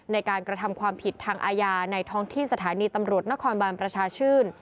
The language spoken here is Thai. ในการกระทำความผิดทางอาญาในท้องที่สถานีตำรวจนครบานประชาชื่น